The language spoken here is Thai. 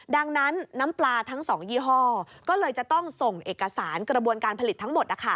ดังนั้นน้ำปลาทั้ง๒ยี่ห้อก็เลยจะต้องส่งเอกสารกระบวนการผลิตทั้งหมด